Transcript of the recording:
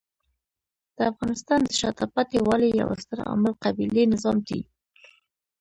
د افغانستان د شاته پاتې والي یو ستر عامل قبیلې نظام دی.